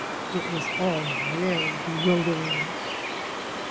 It was all very bewildering.